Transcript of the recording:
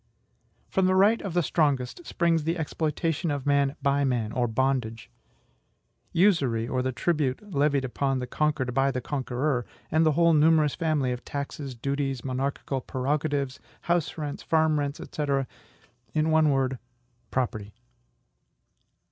From the right of the strongest springs the exploitation of man by man, or bondage; usury, or the tribute levied upon the conquered by the conqueror; and the whole numerous family of taxes, duties, monarchical prerogatives, house rents, farm rents, &c. in one word, property.